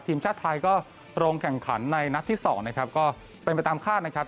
ทีมชาติไทยก็ลงแข่งขันในนัดที่สองนะครับก็เป็นไปตามคาดนะครับ